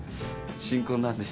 新婚なんです。